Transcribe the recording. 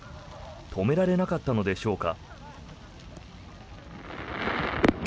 止められなかったのでしょうか。